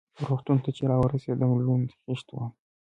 روغتون ته چې را ورسېدم لوند خېشت وم.